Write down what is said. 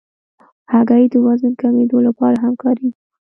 هګۍ د وزن کمېدو لپاره هم کارېږي.